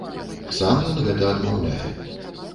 Сам ён гэта адмаўляе.